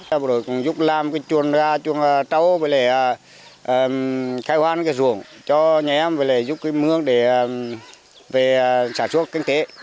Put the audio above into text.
bộ đội cũng giúp làm cái chuồn ra chuồn trâu và lại khai hoang cái ruộng cho nhà em và lại giúp cái mương để về sản xuất kinh tế